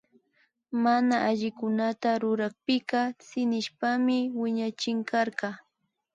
Mana allikunata rurakpika tsinishpami wiñachinkarka